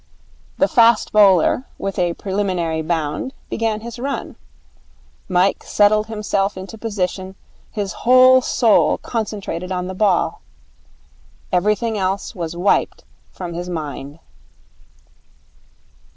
The fast bowler, with a preliminary bound, began his run. Mike settled himself into position, his whole soul concentrated on the ball. Everything else was wiped from his mind.